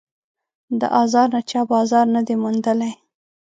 د آزار نه چا بازار نه دی موندلی